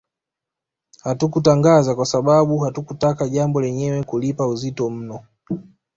Hatukutangaza kwa sababu hatukutaka jambo lenyewe kulipa uzito mno